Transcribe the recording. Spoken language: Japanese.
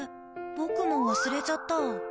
僕も忘れちゃった。